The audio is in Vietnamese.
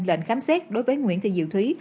lệnh khám xét đối với nguyễn thị diệu thúy